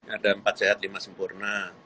ada empat sehat lima sempurna